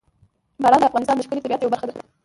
باران د افغانستان د ښکلي طبیعت یوه برخه ده.